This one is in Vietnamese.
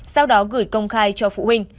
sau đó gửi công khai cho phụ huynh